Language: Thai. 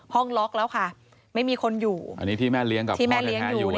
ห้องล็อกแล้วค่ะไม่มีคนอยู่ที่แม่เลี้ยงอยู่